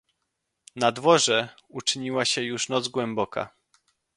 "Na dworze uczyniła się już noc głęboka."